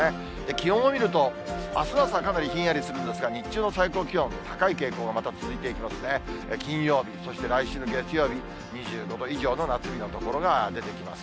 気温を見ると、あすの朝、かなりひんやりするんですが、日中の最高気温、高い傾向がまた続いていくので、金曜日、そして来週の月曜日、２５度以上の夏日の所が出てきます。